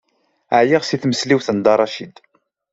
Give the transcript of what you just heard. Ɛyiɣ seg tmesliwt n Dda Racid.